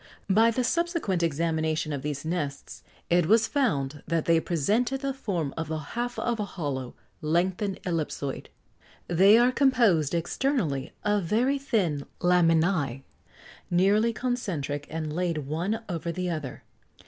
By the subsequent examination of these nests it was found that they presented the form of the half of a hollow, lengthened ellipsoid. They are composed, externally, of very thin laminæ, nearly concentric, and laid one over the other.